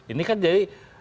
ini kan jadi